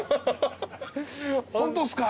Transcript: ホントっすか！？